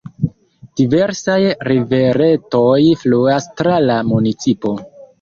Diversaj riveretoj fluas tra la municipo.